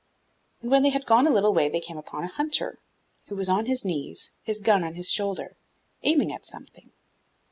And when they had gone a little way they came upon a hunter, who was on his knees, his gun on his shoulder, aiming at something.